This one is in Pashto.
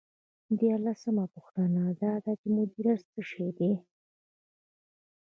دیارلسمه پوښتنه دا ده چې مدیریت څه شی دی.